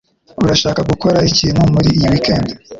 Urashaka gukora ikintu muri iyi weekend?